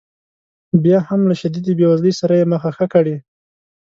بیا هم له شدیدې بې وزلۍ سره یې مخه ښه کړې.